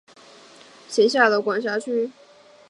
格里利镇区为美国堪萨斯州塞奇威克县辖下的镇区。